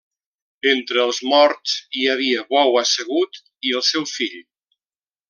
Entre els morts hi havia Bou Assegut i el seu fill.